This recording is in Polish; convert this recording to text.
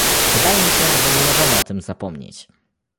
Wydaje mi się, że nie możemy o tym zapomnieć